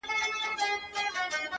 ناځواني!!